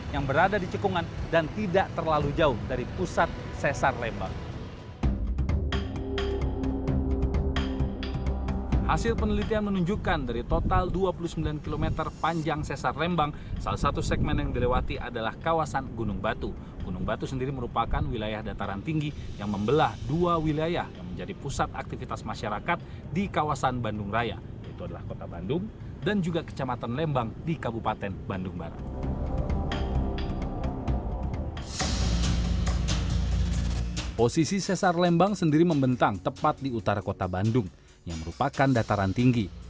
yang merupakan dataran tinggi